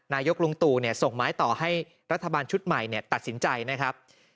นายกลุงตู่ส่งไม้ต่อให้รัฐบาลชุดใหม่ตัดสินใจนะครับ